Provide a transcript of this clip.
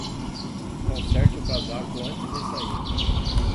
Conserte o casaco antes de sair.